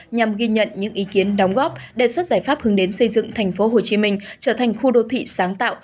nhằm ghi nhận những ý kiến đóng góp đề xuất giải pháp hướng đến xây dựng tp hcm trở thành khu đô thị sáng tạo